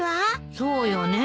そうよねえ。